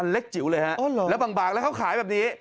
เล็กจิ๋วเลยฮะแล้วบางแล้วเขาขายแบบนี้